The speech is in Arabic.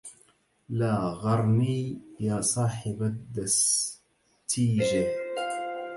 لا غرني يا صاحب الدستيجه